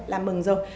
là mừng rồi